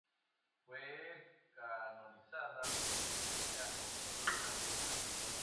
Fue canonizada por la Iglesia Ortodoxa Rusa.